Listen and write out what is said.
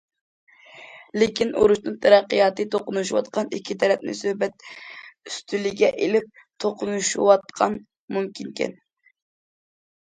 لېكىن، ئۇرۇشنىڭ تەرەققىياتى توقۇنۇشۇۋاتقان ئىككى تەرەپنى سۆھبەت ئۈستىلىگە ئېلىپ توقۇنۇشۇۋاتقان مۇمكىنكەن.